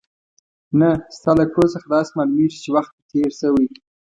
نه، ستا له کړو څخه داسې معلومېږي چې وخت دې تېر شوی.